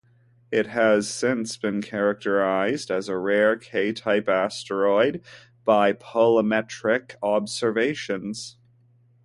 It has since been characterized as a rare K-type asteroid by polarimetric observations.